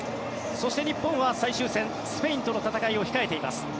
そして日本は最終戦スペインとの戦いを控えています。